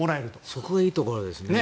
そこがいいところですね